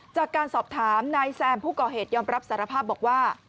จากการสอบถามนายแซมผู้ก่อเหตุยอมรับสารภาพบอกว่า